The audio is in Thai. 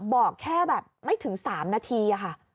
บอกแค่แบบไม่ถึง๓นาทีค่ะ